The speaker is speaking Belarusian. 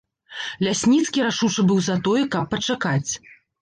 Лясніцкі рашуча быў за тое, каб пачакаць.